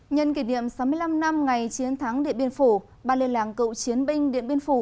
nhân kỷ niệm sáu mươi năm năm ngày chiến thắng điện biên phủ ba lê làng cựu chiến binh điện biên phủ